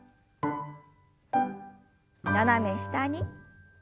斜め下に。